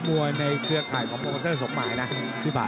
มัวในเครือข่ายของโปรแกรต์สกมายนะพี่ฝ่าย